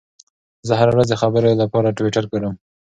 زه هره ورځ د خبرونو لپاره ټویټر ګورم.